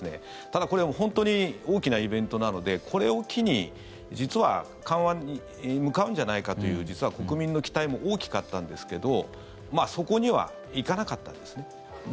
ただ、これも本当に大きなイベントなのでこれを機に実は緩和に向かうんじゃないかという国民の期待も大きかったんですけどそこには行かなかったんですね。